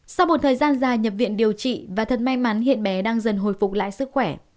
sau một thời gian dài nhập viện điều trị và thật may mắn hiện bé đang dần hồi phục lại sức khỏe